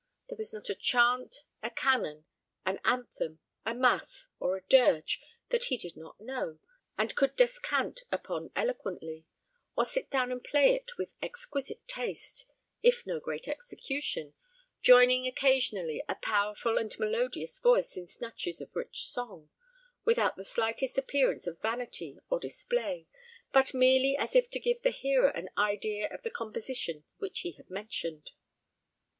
There was not a chant, a canon, an anthem, a mass, or a dirge, that he did not know, and could descant upon eloquently, or sit down and play it with exquisite taste, if no great execution, joining occasionally a powerful and melodious voice in snatches of rich song, without the slightest appearance of vanity or display, but merely as if to give the hearer an idea of the composition which he had mentioned.